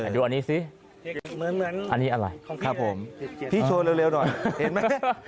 ดูอันนี้สิอันนี้อะไรครับผมพี่โชว์เร็วหน่อยเห็นไหม